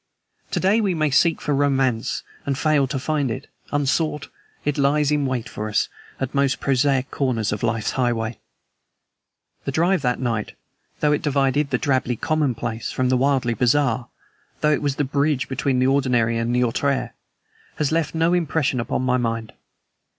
To day, we may seek for romance and fail to find it: unsought, it lies in wait for us at most prosaic corners of life's highway. The drive that night, though it divided the drably commonplace from the wildly bizarre though it was the bridge between the ordinary and the outre has left no impression upon my mind.